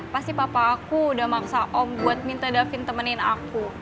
pasti papa aku udah maksa om buat minta davin temenin aku